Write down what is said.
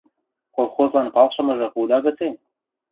– Колхозлан палшымыжы худа гыце?